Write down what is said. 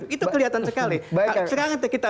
itu kelihatan sekali sekarang kita